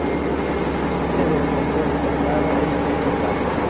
La sede del condado es Twin Falls.